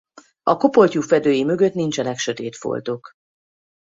A kopoltyúfedői mögött nincsenek sötét foltok.